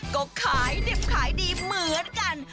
ก็ขายดิบขายดีเหมือนกัน